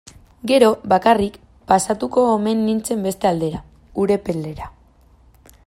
Gero, bakarrik pasatuko omen nintzen beste aldera, Urepelera.